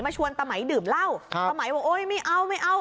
มาชวนตามไหมดื่มเหล้าตามไหมก็โอ๊ยไม่เอาไม่เอา